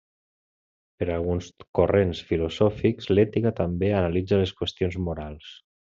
Per a alguns corrents filosòfics, l'ètica també analitza les qüestions morals.